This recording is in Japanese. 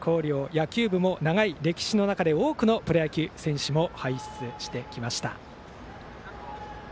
野球部も長い歴史の中で多くのプロ野球選手を輩出してきました。